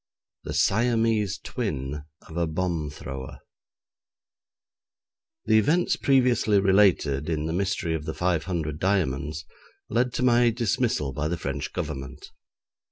The Siamese Twin of a Bomb Thrower The events previously related in 'The Mystery of the Five Hundred Diamonds' led to my dismissal by the French Government.